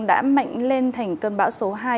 đã mạnh lên thành cơn bão số hai